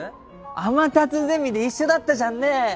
天達ゼミで一緒だったじゃんね？